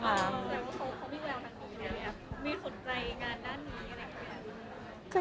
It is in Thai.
อ๋อแต่ว่าเขามีแรงทางนี้เนี่ยมีสนใจงานด้านนี้อย่างไรครับ